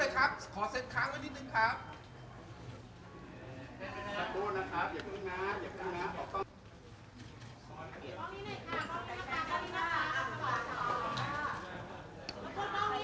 ขอขอบคุณหน่อยนะคะ